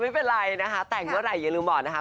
ไม่เป็นไรนะคะแต่งเมื่อไหร่อย่าลืมบอกนะคะ